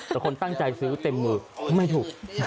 แต่คนตั้งใจซื้อเต็มมือไม่ถูก